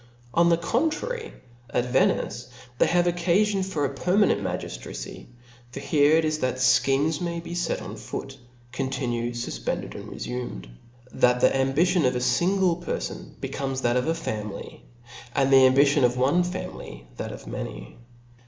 On the con trary, at Venice they have occafion for a permanent magiftracy ; for here it is that fchemes may be let <Hi footy continued, fuipended, and refumed; that the ambition of a fingie perfon becomes that of a family, and the ambition of one family that of many.